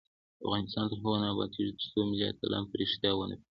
افغانستان تر هغو نه ابادیږي، ترڅو ملي اتلان په ریښتیا ونه پیژنو.